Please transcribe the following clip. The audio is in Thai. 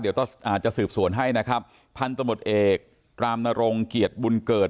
เดี๋ยวอาจจะสืบสวนให้นะครับพันธมตเอกรามนรงเกียรติบุญเกิด